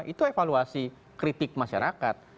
itu evaluasi kritik masyarakat